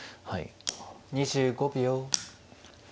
２５秒。